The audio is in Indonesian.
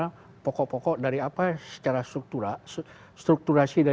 sangat per sigma dari milik ini untuk batas sudah berkeluarclass sogar